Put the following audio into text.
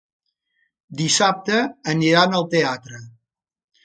Dissabte aniran al teatre.